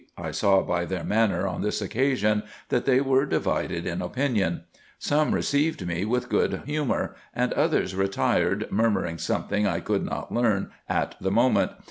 I saw by their manner on this occasion that they were divided in opinion. Some received me with good humour, and others retired murmuring something I could not learn at the moment.